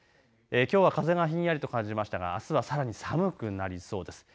きょうは風がひんやりと感じましたがあすはさらに寒くなりそうです。